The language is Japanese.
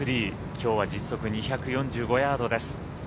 きょうは実測２４５ヤードです。